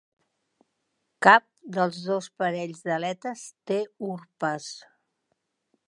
Cap dels dos parells d'aletes té urpes.